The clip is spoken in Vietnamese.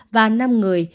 và năm người